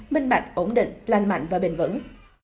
minh bạch ổn định lành mạnh và bền vững